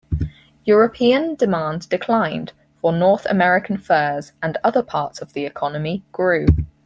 European demand declined for North American furs, and other parts of the economy grew.